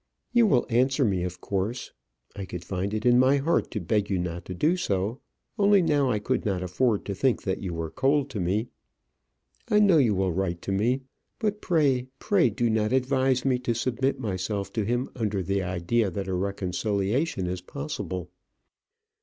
You will answer me, of course. I could find it in my heart to beg you not to do so, only now I could not afford to think that you were cold to me. I know you will write to me; but, pray, pray do not advise me to submit myself to him under the idea that a reconciliation is possible.